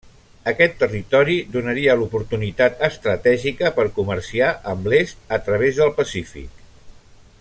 Aquest territori donaria l'oportunitat estratègica per comerciar amb l'est a través del Pacífic.